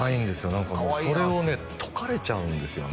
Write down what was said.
何かもうそれをね解かれちゃうんですよね